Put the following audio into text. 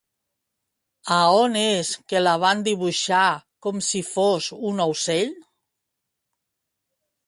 A on és que la van dibuixar com si fos un aucell?